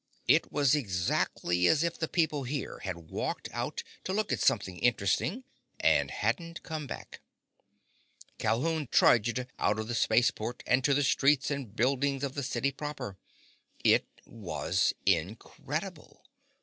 It was exactly as if the people here had walked out to look at something interesting, and hadn't come back. Calhoun trudged out of the spaceport and to the streets and buildings of the city proper. It was incredible!